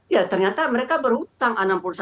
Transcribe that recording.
ya ternyata mereka berhutang